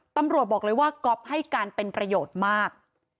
ตำรวจบอกเลยว่าก๊อฟให้การเป็นประโยชน์มาก